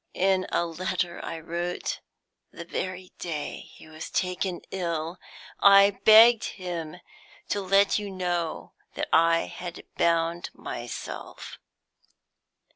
"In a letter I wrote the very day he was taken ill, I begged him to let you know that I had bound myself."